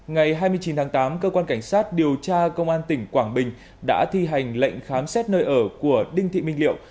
ngày hai mươi chín tháng tám cơ quan cảnh sát điều tra công an tỉnh quảng bình đã thi hành lệnh khám xét nơi ở của đinh thị minh liệu